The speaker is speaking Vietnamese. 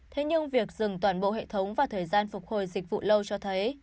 thế nhưng việc dừng toàn bộ hệ thống và thời gian phục hồi dịch vụ lâu cho thấy